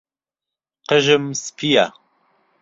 قژم سپییە.